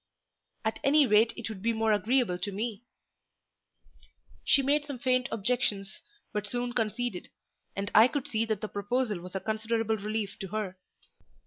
"At any rate it would be more agreeable to me." She made some faint objections, but soon conceded; and I could see that the proposal was a considerable relief to her.